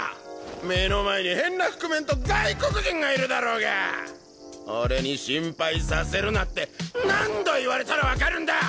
目の前に変な覆面と外国人がいるだろうが俺に心配させるなって何度言われたら分かるんだ